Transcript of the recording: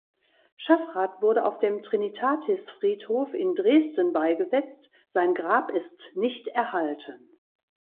Schaffrath wurde auf dem Trinitatisfriedhof in Dresden beigesetzt; sein Grab ist nicht erhalten.